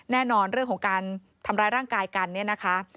แน่นอนเรื่องของการทำร้ายร่างกายกันเนี่ยนะคะ